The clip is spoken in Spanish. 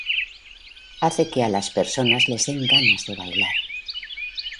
Hace que a las personas les den ganas de bailar.